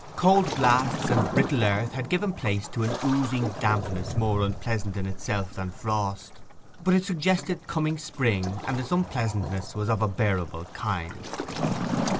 Cold blasts and brittle earth had given place to an oozing dampness more unpleasant in itself than frost; but it suggested coming spring, and its unpleasantness was of a bearable kind.